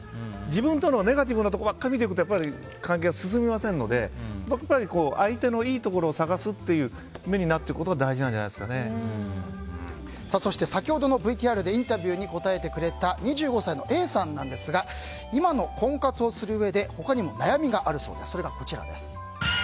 自分のネガティブなところばっかり見られちゃうとやっぱり関係は進みませんので相手のいいところを探すっていう目になっていくことがそして、先ほどのＶＴＲでインタビューに答えてくれた２５歳のＡさんなんですが今の婚活をするうえで他にも悩みがあるそうです。